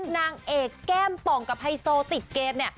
นางเอกแก้มป่องกับไฮโซติดเกมเนี่ย